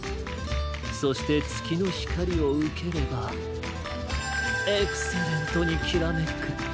そしてつきのひかりをうければエクセレントにきらめく！